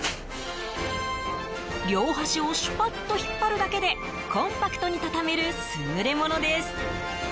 両端をシュパッと引っ張るだけでコンパクトに畳める優れものです。